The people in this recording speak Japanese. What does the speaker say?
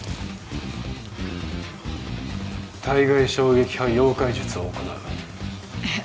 体外衝撃波溶解術を行うえっ！？